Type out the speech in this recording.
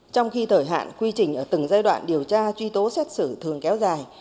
trong khi thời hạn quy trình ở từng giai đoạn điều tra truy tố xét xử thường kéo dài